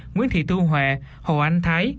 nguyễn thị thu hòa hồ anh thái